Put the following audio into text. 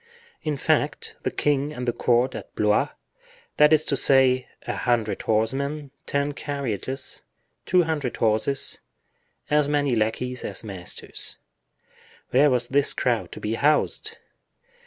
In fact, the king and the court at Blois, that is to say, a hundred horsemen, ten carriages, two hundred horses, as many lackeys as masters—where was this crowd to be housed?